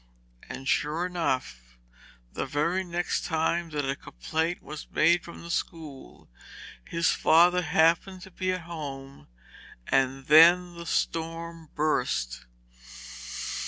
And, sure enough, the very next time that a complaint was made from the school, his father happened to be at home, and then the storm burst.